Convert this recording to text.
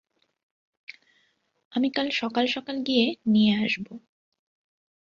আমি কাল সকাল সকাল গিয়ে নিয়ে আসবো।